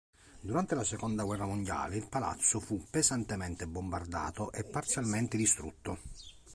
Durante la seconda guerra mondiale il palazzo fu pesantemente bombardato e parzialmente distrutto.